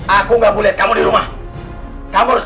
aku gak boleh lihat kamu di rumah sama ibu kamu ya